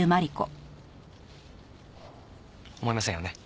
思いませんよね。